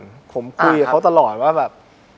ผมคุยกับเขาตลอดว่าแบบ